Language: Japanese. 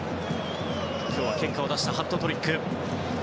今日は結果を出したハットトリック。